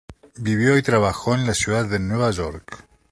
Vivió y trabajó en la ciudad de Nueva York.